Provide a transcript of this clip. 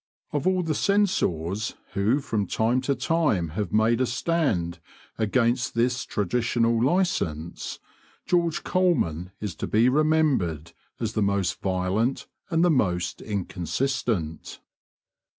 Of all the censors who from time to time have made a stand against this traditional licence, George Colman is to be remembered as the most violent and the most inconsistent.